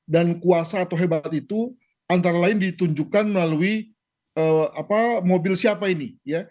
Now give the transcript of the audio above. dan kuasa atau hebat itu antara lain ditunjukkan melalui mobil siapa ini